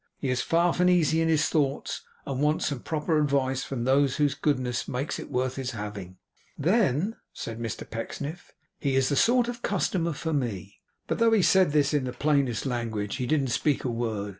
He is far from easy in his thoughts, and wants some proper advice from those whose goodness makes it worth his having.' 'Then,' said Mr Pecksniff, 'he is the sort of customer for me.' But though he said this in the plainest language, he didn't speak a word.